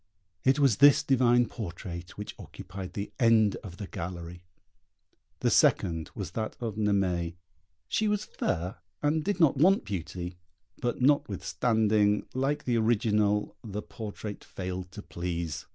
It was this divine portrait which occupied the end of the gallery. The second was that of Naimée: she was fair, and did not want beauty; but notwithstanding, like the original, the portrait failed to please.